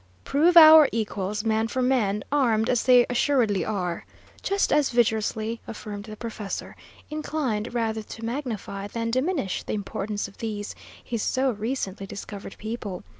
"Prove our equals, man for man, armed as they assuredly are," just as vigorously affirmed the professor, inclined rather to magnify than diminish the importance of these, his so recently discovered people.